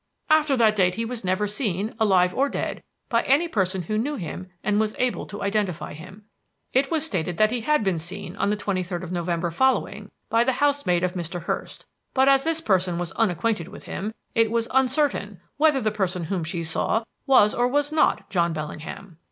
After that date he was never seen, alive or dead, by any person who knew him and was able to identify him. It was stated that he had been seen on the twenty third of November following by the housemaid of Mr. Hurst; but as this person was unacquainted with him, it was uncertain whether the person whom she saw was or was not John Bellingham.